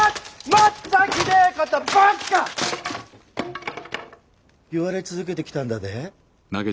まっとひでえことばっか言われ続けてきたんだで？